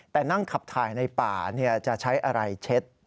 แต่นั่งขับถ่ายในป่าจะใช้อะไรเช็ด